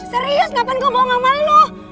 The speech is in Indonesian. serius kenapa gue bawa mama lo